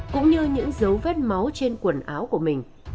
cũng như những dấu vết máu trên đoạn